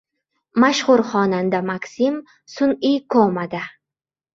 Mashxur xonanda MakSim sun’iy komada